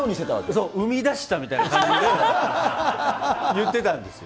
そう、生み出したみたいな感じで言ってたんです。